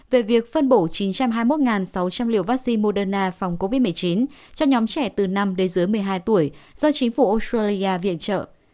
về việc phân bổ chín trăm hai mươi một sáu trăm linh liều vaccine moderna phòng covid một mươi chín cho nhóm trẻ từ năm đến dưới một mươi hai tuổi do chính phủ australia viện trợ